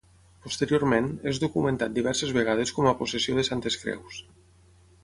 Posteriorment, és documentat diverses vegades com a possessió de Santes Creus.